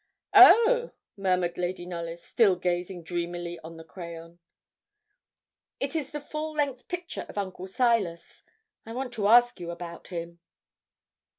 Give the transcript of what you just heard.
'Oh!' murmured Lady Knollys, still gazing dreamily on the crayon. 'It is the full length picture of Uncle Silas I want to ask you about him.'